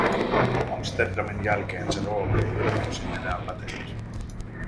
Amsterdamin jälkeen se rooli ei ole tosin enää pätenyt.